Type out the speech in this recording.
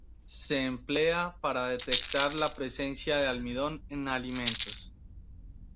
Se emplea para detectar la presencia de almidón en alimentos.